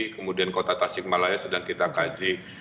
kemudian kota tasik malaya sedang kita kaji